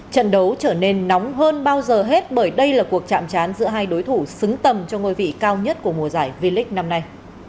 trận đấu trở nên nóng hơn bao giờ hết bởi đây là cuộc chạm chán giữa hai đối thủ xứng tầm cho ngôi vị cao nhất của mùa giải v leage năm nay